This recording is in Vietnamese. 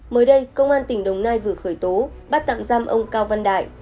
mới đây công an tỉnh đồng nai vừa khởi tố bắt tạm giam ông cao văn đại